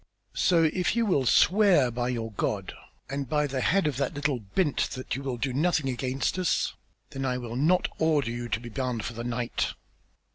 So if you will swear by your God and by the head of that little 'bint' that you will do nothing against us, then I will not order you to be bound for the night."